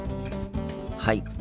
はい。